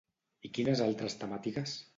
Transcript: I quines altres temàtiques?